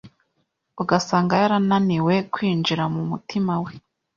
ugasanga yaraniwe kwinjira mu mutima we